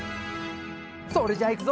それじゃいくぞ。